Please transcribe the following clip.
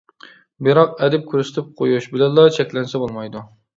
بىراق ئەدىب كۆرسىتىپ قويۇش بىلەنلا چەكلەنسە بولمايدۇ.